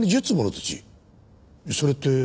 それって。